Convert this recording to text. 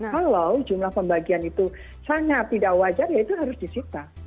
kalau jumlah pembagian itu sangat tidak wajar ya itu harus disipa